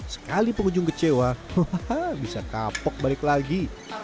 sekali pengunjung kecewa hahaha bisa kapok balik lagi